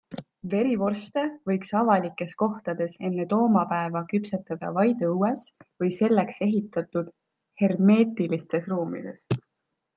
Verivorste võiks avalikes kohtades enne toomapäeva küpsetada vaid õues või selleks ehitatud hermeetilistes ruumides.